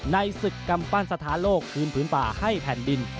ในศึกกำปั้นสถานโลกคืนพื้นป่าให้แผ่นดิน